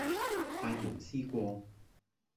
閉門思過